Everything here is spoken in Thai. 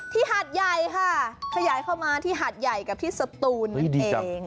หาดใหญ่ค่ะขยายเข้ามาที่หาดใหญ่กับที่สตูนนั่นเอง